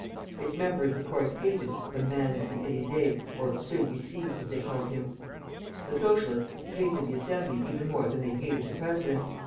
Its members of course hated "the Man at the Élysée," or "Celui ci," as they called him. The Socialists hated the Assembly even more than they hated the president.